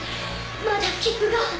まだ切符が。